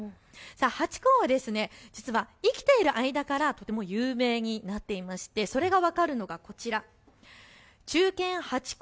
ハチ公は実は生きている間からとても有名になっていましてそれが分かるのがこちら、忠犬ハチ公